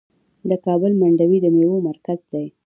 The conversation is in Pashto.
د کابل منډوي د میوو مرکز دی.